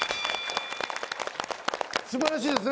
素晴らしいですね